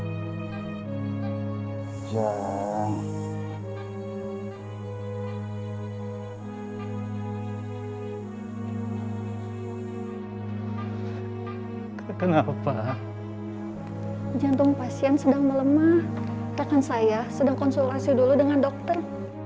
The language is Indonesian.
rakan saya sedang konsultasi dulu dengan dokter